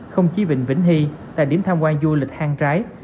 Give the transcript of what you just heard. không chí vịnh vĩnh hy là điểm tham quan du lịch hang trái